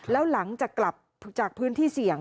แล้วหลังจากกลับจากพื้นที่เสี่ยง